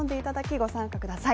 ご参加ください。